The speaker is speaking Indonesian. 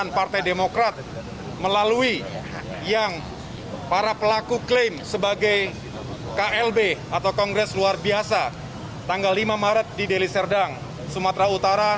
dan partai demokrat melalui yang para pelaku klaim sebagai klb atau kongres luar biasa tanggal lima maret di deliserdang sumatera utara